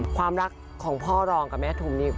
ความรักของพ่อรองกับแม่ทุมนี่